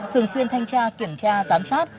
thường xuyên thanh tra kiểm tra giám sát